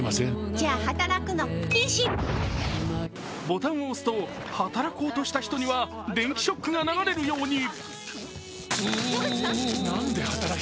ボタンを押すと働こうとした人には電気ショックが流れるように。